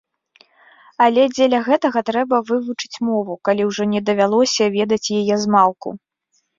Але дзеля гэтага трэба вывучыць мову, калі ўжо не давялося ведаць яе змалку.